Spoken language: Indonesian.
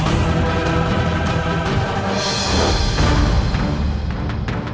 iya itu mungkin kukuk